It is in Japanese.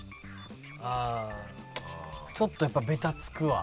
ああちょっとやっぱべたつくわ。